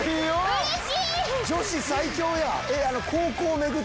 うれしい！